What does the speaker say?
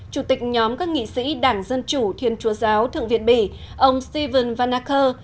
chủ tịch nhóm các nghị sĩ đảng dân chủ thiên chúa giáo thượng việt bỉ ông steven van acker